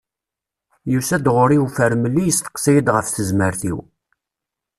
Yusa-d ɣur-i ufremli yesteqsa-yid ɣef tezmert-iw.